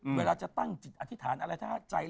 เวลาจะตั้งจิตอธิษฐานอะไรถ้าใจ